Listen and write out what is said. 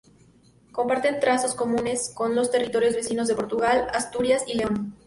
Comparte trazos comunes con los territorios vecinos de Portugal, Asturias y León.